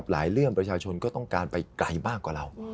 เรื่องประชาชนก็ต้องการไปไกลมากกว่าเรา